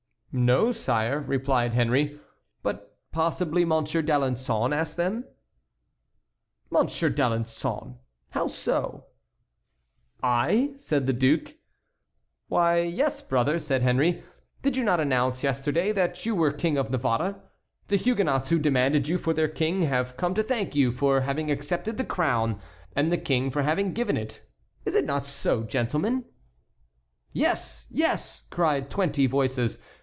"No, sire," replied Henry, "but possibly Monsieur d'Alençon asked them." "Monsieur d'Alençon? How so?" "I?" said the duke. "Why, yes, brother," said Henry; "did you not announce yesterday that you were King of Navarre? The Huguenots who demanded you for their king have come to thank you for having accepted the crown, and the King for having given it. Is it not so, gentlemen?" "Yes! yes!" cried twenty voices.